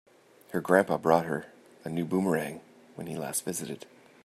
Her grandpa bought her a new boomerang when he last visited.